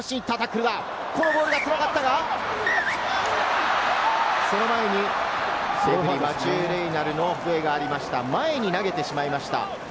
このボールが転がったが、その前にマチュー・レイナルの笛がありました、前に投げてしまいました。